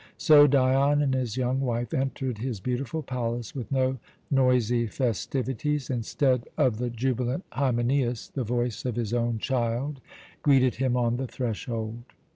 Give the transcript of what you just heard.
So Dion and his young wife entered his beautiful palace with no noisy festivities. Instead of the jubilant hymenæus, the voice of his own child greeted him on the threshold.